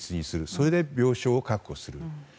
それで病床を確保する。